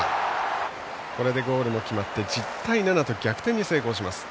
これでゴールも決まって１０対７と逆転に成功。